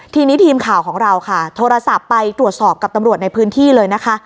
ทีนี้ทีมข่าวของเราค่ะโทรศัพท์ไปตรวจสอบกับตำรวจในพื้นที่เลยนะคะ